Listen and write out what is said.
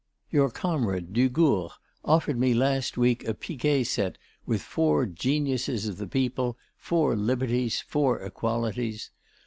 Your comrade Dugourc offered me last week a picquet set with four Geniuses of the People, four Liberties, four Equalities.